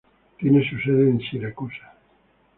Tiene su sede en Siracusa.